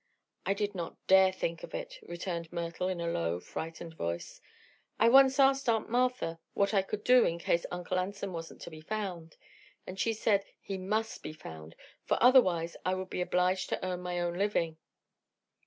"I did not dare think of it," returned Myrtle in a low, frightened tone. "I once asked Aunt Martha what I could do in case Uncle Anson wasn't to be found, and she said he must be found, for otherwise I would be obliged to earn my own living."